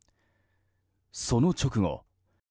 その直後。